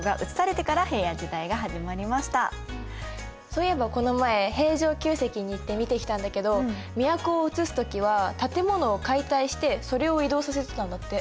そういえばこの前平城宮跡に行って見てきたんだけど都をうつす時は建物を解体してそれを移動させてたんだって。